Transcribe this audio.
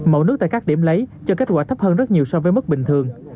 mẫu nước tại các điểm lấy cho kết quả thấp hơn rất nhiều so với mức bình thường